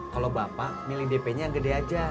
kalo bapak milih dpnya gede aja